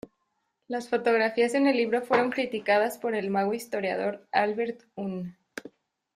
Las fotografías en el libro fueron criticadas por el mago historiador Albert Un.